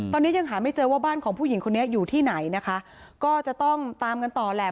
ตอนนี้ยังหาไม่เจอว่าบ้านของผู้หญิงคนนี้อยู่ที่ไหนนะคะก็จะต้องตามกันต่อแหละ